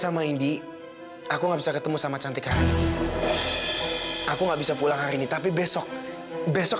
sama indi aku nggak bisa ketemu sama cantika aku nggak bisa pulang hari ini tapi besok besok